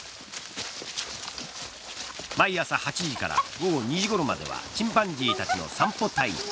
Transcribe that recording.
毎朝８時から午後２時ごろまではチンパンジーたちの散歩タイム。